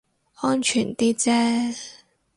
安全啲啫